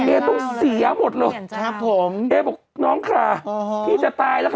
เอต้องเสียหมดเลยครับผมเอบอกน้องค่ะอ๋อพี่จะตายแล้วค่ะ